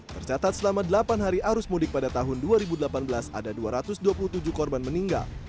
tercatat selama delapan hari arus mudik pada tahun dua ribu delapan belas ada dua ratus dua puluh tujuh korban meninggal